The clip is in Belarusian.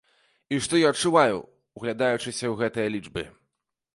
І што я адчуваю, углядаючыся ў гэтыя лічбы?